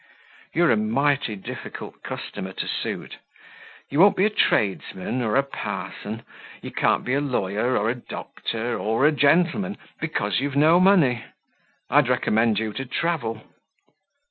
"You're a mighty difficult customer to suit. You won't be a tradesman or a parson; you can't be a lawyer, or a doctor, or a gentleman, because you've no money. I'd recommend you to travel."